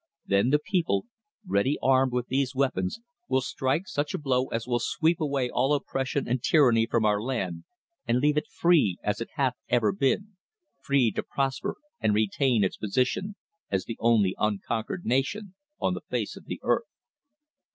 Then the people, ready armed with these weapons, will strike such a blow as will sweep away all oppression and tyranny from our land, and leave it free as it hath ever been, free to prosper and retain its position as the only unconquered nation on the face of earth."